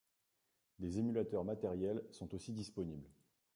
Des émulateurs matériels sont aussi disponibles.